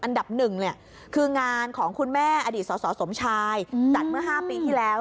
อันดับหนึ่งคืองานของคุณแม่อดีตสสสมชายจัดเมื่อ๕ปีที่แล้ว